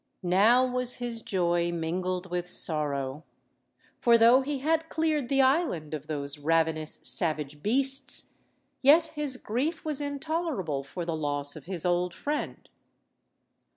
Now was his joy mingled with sorrow, for though he had cleared the island of those ravenous savage beasts, yet his grief was intolerable for the loss of his old friend.